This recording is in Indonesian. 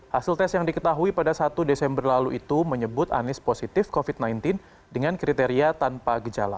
hasil tes yang diketahui pada satu desember lalu itu menyebut anies positif covid sembilan belas dengan kriteria tanpa gejala